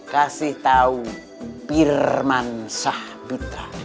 kasih tahu pirman sahabitra